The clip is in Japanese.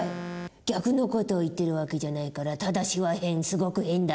逆の事を言ってる訳じゃないから「ただし」は変すごく変だ。